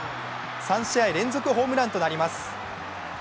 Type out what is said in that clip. ３試合連続ホームランとなります。